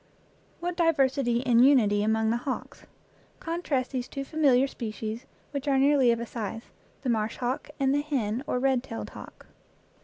What diversity in unity among the hawks! Con trast these two familiar species which are nearly of a size the marsh hawk and the hen, or red tailed, hawk.